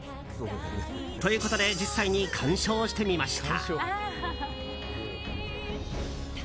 ということで実際に鑑賞してみました。